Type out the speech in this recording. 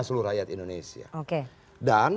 seluruh rakyat indonesia dan